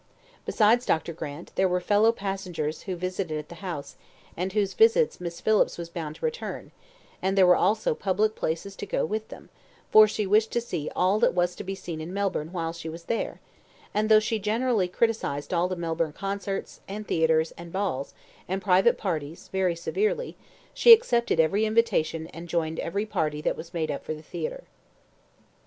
Besides Dr. Grant, there were fellow passengers who visited at the house, and whose visits Miss Phillips was bound to return, and there were also public places to go to with them; for she wished to see all that was to be seen in Melbourne while she was there; and though she generally criticised all the Melbourne concerts, and theatres, and balls, and private parties very severely, she accepted every invitation and joined every party that was made up for the theatre.